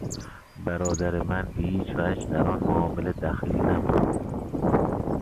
برادر من به هیچ وجه در آن معامله دخیل نبود.